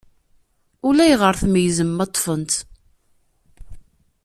Ulayɣer tmeyyzem ma ṭṭfen-tt.